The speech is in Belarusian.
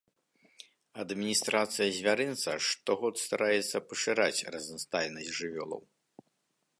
Адміністрацыя звярынца штогод стараецца пашыраць разнастайнасць жывёлаў.